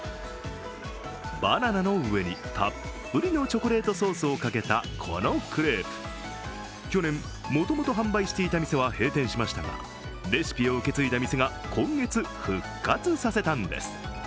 バナナの上にたっぷりのチョコレートソースをかけたこのクレープ、去年、もともと販売していた店は閉店しましたが、レシピを受け継いだ店が今月、復活させたんです。